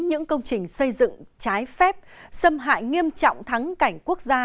những công trình xây dựng trái phép xâm hại nghiêm trọng thắng cảnh quốc gia